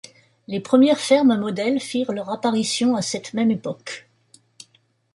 Les premières fermes modèles firent leur apparition à cette même époque.